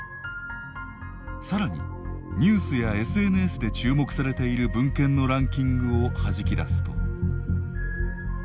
さらにニュースやＳＮＳで注目されている文献のランキングをはじき出すと。